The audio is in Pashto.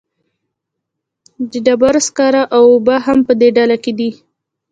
د ډبرو سکاره او اوبه هم په دې ډله کې دي.